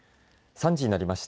３時になりました。